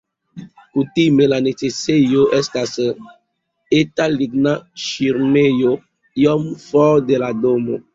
Kutime la necesejo estas eta ligna ŝirmejo iom for de la domo.